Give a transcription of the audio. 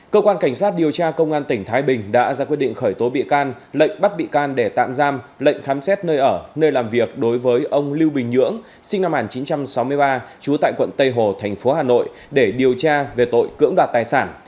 cơ quan cảnh sát điều tra công an tỉnh thái bình đã ra quyết định khởi tố bị can lệnh bắt bị can để tạm giam lệnh khám xét nơi ở nơi làm việc đối với ông lưu bình nhưỡng sinh năm một nghìn chín trăm sáu mươi ba trú tại quận tây hồ thành phố hà nội để điều tra về tội cưỡng đoạt tài sản